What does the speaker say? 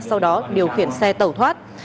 sau đó điều khiển xe tẩu thoát